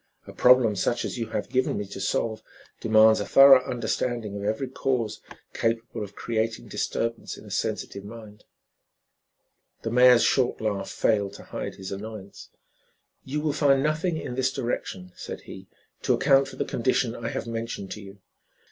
A problem such as you have given me to solve demands a thorough understanding of every cause capable of creating disturbance in a sensitive mind." The mayor's short laugh failed to hide his annoyance. "You will find nothing in this direction," said he, "to account for the condition I have mentioned to you.